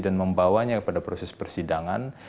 dan membawanya pada proses persidangan